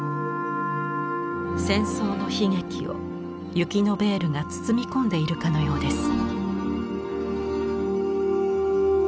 戦争の悲劇を雪のベールが包み込んでいるかのようです。